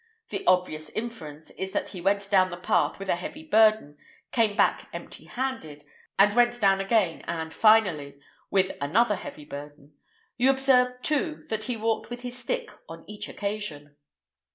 The obvious inference is that he went down the path with a heavy burden, came back empty handed, and went down again—and finally—with another heavy burden. You observe, too, that he walked with his stick on each occasion."